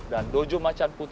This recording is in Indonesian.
dan dojo macan pulang